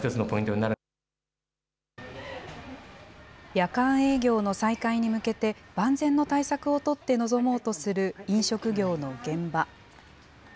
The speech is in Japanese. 夜間営業の再開に向けて、万全の対策を取って臨もうとする飲食業の現場。